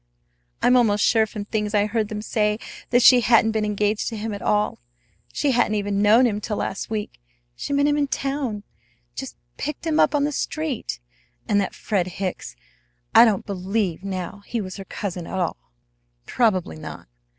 I'm almost sure from things I heard them say that she hadn't been engaged to him at all, she hadn't even known him till last week. She met him in town just picked him up on the street! And that Fred Hicks! I don't believe now he was her cousin at all." "Probably not.